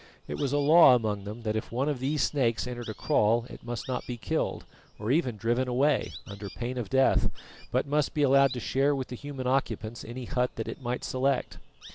It was a law among them that if one of these snakes entered a kraal it must not be killed, or even driven away, under pain of death, but must be allowed to share with the human occupants any hut that it might select.